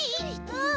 うん！